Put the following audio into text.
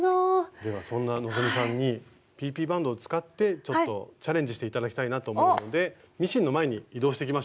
ではそんな希さんにＰＰバンドを使ってちょっとチャレンジして頂きたいなと思うのでミシンの前に移動していきましょう。